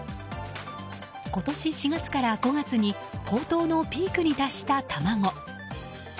今年４月から５月に高騰のピークに達した卵。